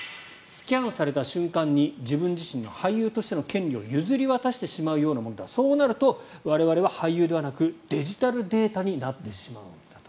スキャンされた瞬間に自分自身の俳優としての権利を譲り渡してしまうようなものだそうなると我々は俳優ではなくデジタルデータになってしまうんだと。